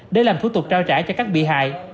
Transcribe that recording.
để làm thủ tục trao trả cho các bị hại